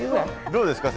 どうですか？